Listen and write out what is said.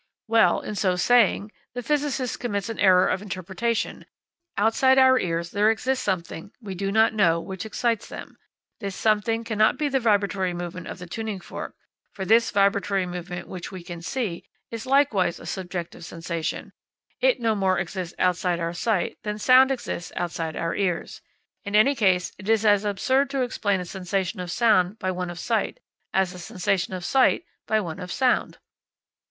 Well, in so saying, the physicist commits an error of interpretation; outside our ears there exists something we do not know which excites them; this something cannot be the vibratory movement of the tuning fork, for this vibratory movement which we can see is likewise a subjective sensation; it no more exists outside our sight than sound exists outside our ears. In any case, it is as absurd to explain a sensation of sound by one of sight, as a sensation of sight by one of sound.